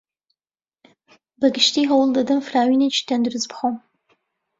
بەگشتی هەوڵدەدەم فراوینێکی تەندروست بخۆم.